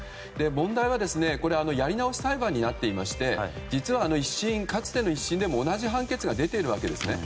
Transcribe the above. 問題はやり直し裁判になっていまして実は、かつての１審でも同じ判決が出ているわけですね。